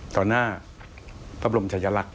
ต่อหน้าพระบรมชายลักษณ์